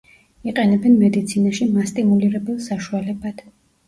იყენებენ მედიცინაში მასტიმულირებელ საშუალებად.